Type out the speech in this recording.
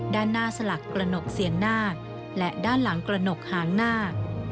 ด้านหน้าสลักกระหนกเซียนนาคและด้านหลังกระหนกหางนาค